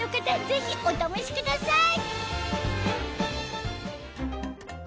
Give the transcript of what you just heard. ぜひお試しください！